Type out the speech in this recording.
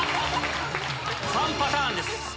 ３パターンです。